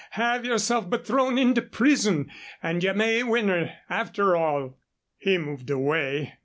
Have yourself but thrown into prison, and you may win her, after all." He moved away.